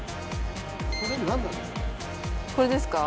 これですか？